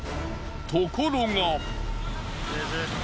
ところが。